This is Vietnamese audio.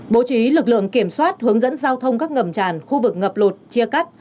bố trí lực lượng kiểm soát hướng dẫn giao thông các ngầm tràn khu vực ngập lụt chia cắt